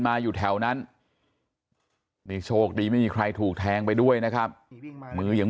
อยู่แถวนั้นนี่โชคดีไม่มีใครถูกแทงไปด้วยนะครับมือยัง